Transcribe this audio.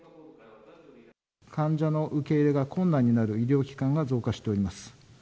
患者の受け入れが困難になる医療機関が増加しております。